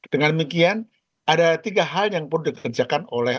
dengan demikian ada tiga hal yang perlu dikerjakan oleh